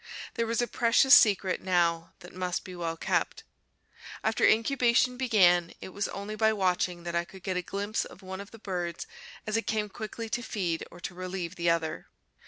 There was a precious secret now that must be well kept. After incubation began, it was only by watching that I could get a glimpse of one of the birds as it came quickly to feed or to relieve the other.